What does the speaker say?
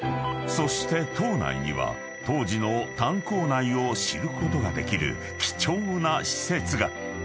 ［そして島内には当時の炭鉱内を知ることができる貴重な施設が］